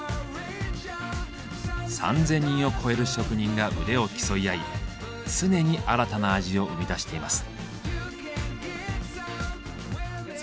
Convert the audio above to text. ３，０００人を超える職人が腕を競い合い常に新たな味を生み出しています。